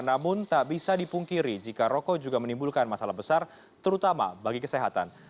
namun tak bisa dipungkiri jika rokok juga menimbulkan masalah besar terutama bagi kesehatan